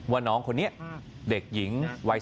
ว่าน้องคนนี้เด็กหญิงวัย๑